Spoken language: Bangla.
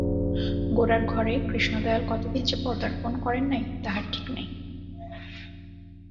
গোরার ঘরে কৃষ্ণদয়াল কতদিন যে পদার্পণ করেন নাই তাহার ঠিক নাই।